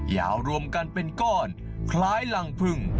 ยาวรวมกันเป็นก้อนคล้ายรังพึ่ง